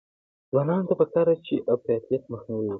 ځوانانو ته پکار ده چې، افراطیت مخنیوی وکړي.